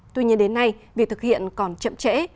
tuy nhiên đến nay việc thực hiện còn chậm trễ